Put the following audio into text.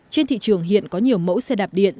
trên thị trường hiện có nhiều mẫu xe đạp điện